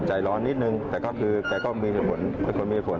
ใจร้อนนิดหนึ่งแต่ก็คือแกก็เป็นคนมีผล